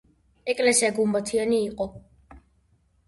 ეკლესია გუმბათიანი იყო.